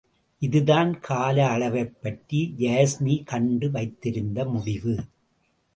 இதுதான் கால அளவைப்பற்றி யாஸ்மி கண்டு வைத்திருந்த முடிவு.